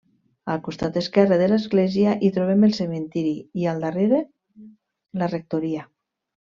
Al costat esquerre de l'església hi trobem el cementiri i al darrere, la rectoria.